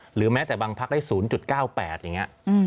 หรือแม้แต่บางพักได้๐๙๘อย่างนี้